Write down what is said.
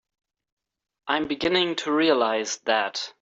I'm beginning to realize that.